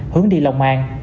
hướng đi lòng an